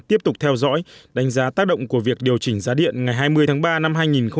tiếp tục theo dõi đánh giá tác động của việc điều chỉnh giá điện ngày hai mươi tháng ba năm hai nghìn hai mươi